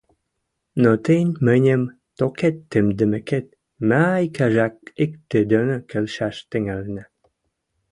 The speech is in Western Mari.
Но тӹнь мӹньӹм токет тымдымыкет, мӓ икӹжӓк-иктӹ доно келшӓш тӹнгӓлӹнӓ.